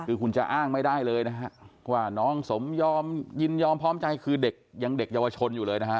คือคุณจะอ้างไม่ได้เลยนะฮะว่าน้องสมยอมยินยอมพร้อมใจคือเด็กยังเด็กเยาวชนอยู่เลยนะฮะ